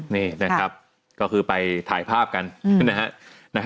นี่นะครับก็คือไปถ่ายภาพกันนะฮะ